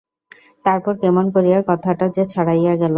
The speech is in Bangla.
তারপর কেমন করিয়া কথাটা যে ছড়াইয়া গেল!